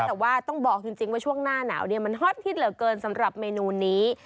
แต่ว่าต้องบอกจริงว่าช่วงหน้าหนาวเนี่ยมันฮอตฮิตเหลือเกินสำหรับเมนูนี้